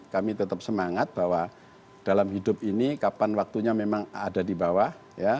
kami tetap semangat bahwa dalam hidup ini kapan waktunya memang ada di bawah ya